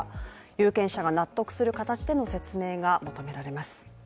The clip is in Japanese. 有権者が納得する形での説明が求められます。